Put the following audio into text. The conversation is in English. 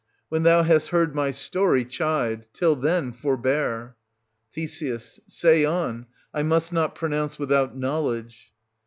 When thou hast heard my story, chide; till then, forbear. Th. Say on : I must not pronounce without know ledge.